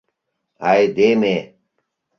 — Айдеме!..